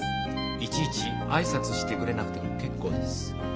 いちいち挨拶してくれなくても結構です。